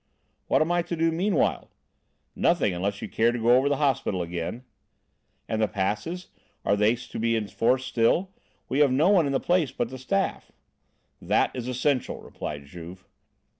"What am I to do meanwhile?" "Nothing, unless you care to go over the hospital again." "And the passes? Are they to be in force still? We have no one in the place but the staff." "That is essential," replied Juve.